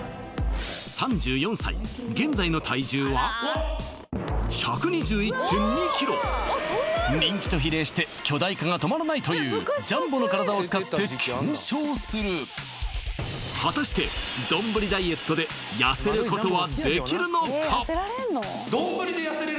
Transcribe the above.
３４歳現在の体重は人気と比例して巨大化が止まらないというジャンボの体を使って検証する果たしてどんぶりダイエットで痩せることはできるのか？